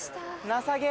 なさげ！